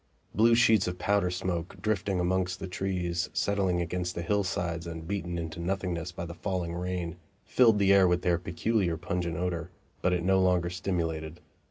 Blue sheets of powder smoke, drifting amongst the trees, settling against the hillsides and beaten into nothingness by the falling rain, filled the air with their peculiar pungent odor, but it no longer stimulated.